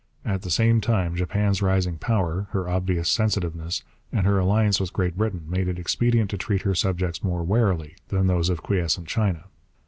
At the same time Japan's rising power, her obvious sensitiveness, and her alliance with Great Britain made it expedient to treat her subjects more warily than those of quiescent China.